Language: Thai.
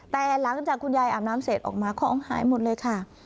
แต่หลังจากคุณยายอาบน้ำเสร็จออกมาของหายหมดเลยค่ะ